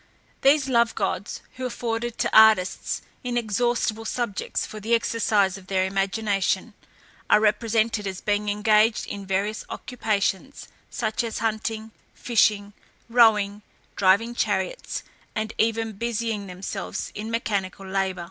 These love gods, who afforded to artists inexhaustible subjects for the exercise of their imagination, are represented as being engaged in various occupations, such as hunting, fishing, rowing, driving chariots, and even busying themselves in mechanical labour.